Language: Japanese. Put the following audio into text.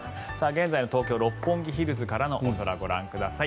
現在の東京・六本木ヒルズからのお空ご覧ください。